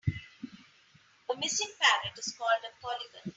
A missing parrot is called a polygon.